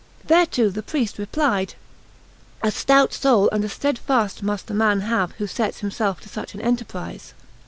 Thereto the priest replied: "A stout soul and a steadfast must the man have who sets himself to such an enterprise."